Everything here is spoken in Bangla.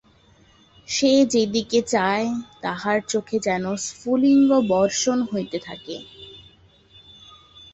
সে যে দিকে চায়, তাহার চোখে যেন স্ফুলিঙ্গবর্ষণ হইতে থাকে।